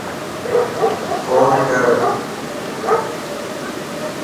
فون ڪر